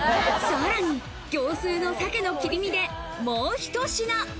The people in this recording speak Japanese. さらに業スーの鮭の切り身で、もうひと品。